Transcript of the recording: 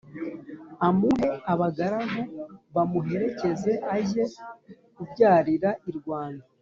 amuhe abagaragu bamuherekeze azajye kubyarira I rwanda.